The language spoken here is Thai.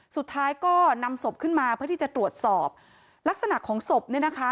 สุดท้ายก็นำศพขึ้นมาเพื่อที่จะตรวจสอบลักษณะของศพเนี่ยนะคะ